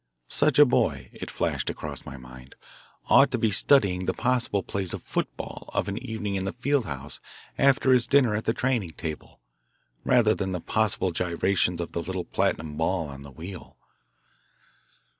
Such a boy, it flashed across my mind, ought to be studying the possible plays of football of an evening in the field house after his dinner at the training table, rather than the possible gyrations of the little platinum ball on the wheel.